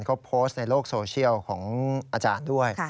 เขาโพสต์ในโลกโซเชียลของอาจารย์ด้วย